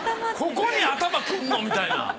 ここに頭くんの？みたいな。